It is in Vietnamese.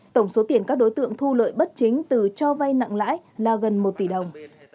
tổng số tiền các đối tượng thu lợi bất chính từ cho vay nặng lãi là gần một tỷ đồng